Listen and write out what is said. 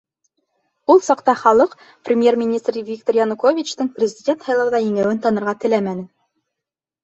Ул саҡта халыҡ премьер-министр Виктор Януковичтың президент һайлауҙа еңеүен танырға теләмәне.